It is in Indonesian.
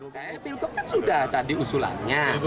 saya pilkup kan sudah tadi usulannya